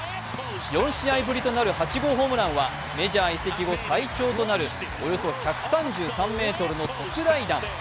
４試合ぶりとなる８号ホームランは、メジャー移籍後最長となるおよそ１３３ｍの特大弾。